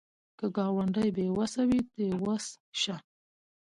که ګاونډی بې وسه وي، ته وس شه